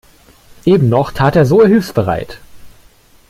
Eben noch tat er so hilfsbereit.